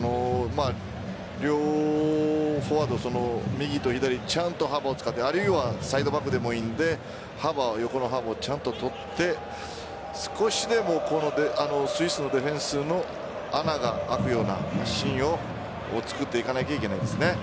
両フォワード右と左ちゃんと幅を使ってあるいはサイドバックでもいいんで横の幅をちゃんと取って少しでもスイスのディフェンスの穴が開くようなシーンをつくっていかないといけないんですね。